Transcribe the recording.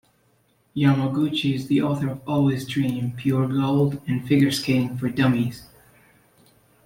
Yamaguchi is the author of "Always Dream", "Pure Gold", and "Figure Skating for Dummies".